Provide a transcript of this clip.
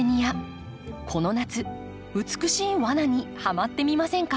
この夏美しい罠にハマってみませんか？